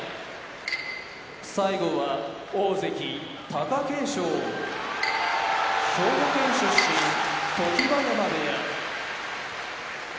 貴景勝兵庫県出身常盤山部屋